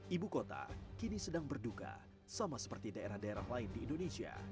ibu kota kini sedang berduka sama seperti daerah daerah lain di indonesia